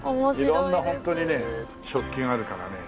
色んなホントにね食器があるからね。